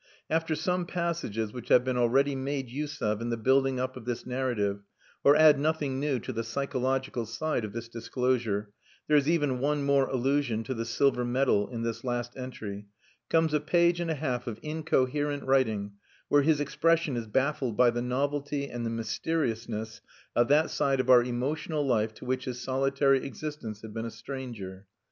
After some passages which have been already made use of in the building up of this narrative, or add nothing new to the psychological side of this disclosure (there is even one more allusion to the silver medal in this last entry), comes a page and a half of incoherent writing where his expression is baffled by the novelty and the mysteriousness of that side of our emotional life to which his solitary existence had been a stranger.